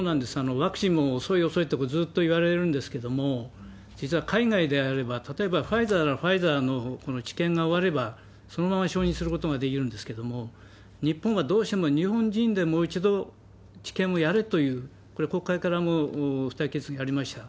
ワクチンも遅い、遅いってずーっといわれるんですけども、実は海外であれば、例えばファイザーならファイザーのこの治験が終われば、そのまま承認することができるんですけれども、日本はどうしても、日本人でもう一度治験もやれという、これ、国会からも付帯決議ありました。